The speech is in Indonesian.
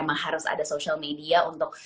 memang harus ada social media untuk